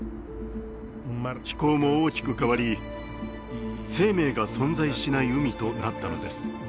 気候も大きく変わり生命が存在しない海となったのです。